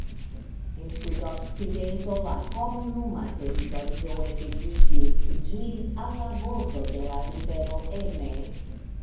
En sudokcidento al komunuma teritorio etendiĝas ĝis al la bordo de la rivero Emme.